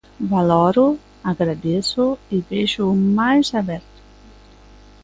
Valóroo, agradézoo e véxoo máis aberto.